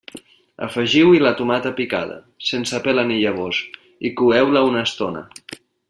Afegiu-hi la tomata picada, sense pela ni llavors, i coeu-la una estona.